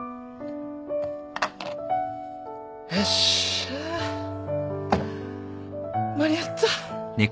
よっしゃ間に合った。